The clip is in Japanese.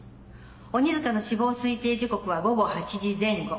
鬼塚の死亡推定時刻は午後８時前後。